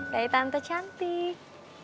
bayi tante cantik